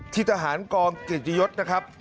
ที่ทหารกองกิจยศนะครับ